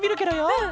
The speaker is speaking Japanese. うん。